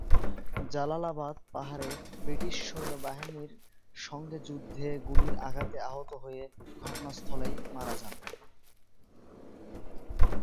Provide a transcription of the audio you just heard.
জালালাবাদ পাহাড়ে ব্রিটিশ সৈন্যবাহিনীর সংগে যুদ্ধে গুলির আঘাতে আহত হয়ে ঘটনাস্থলেই মারা যান।